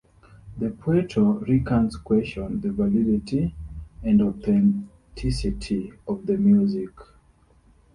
The Puerto Ricans question the validity and authenticity of the music.